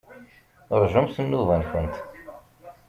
Rjumt nnuba-nkent.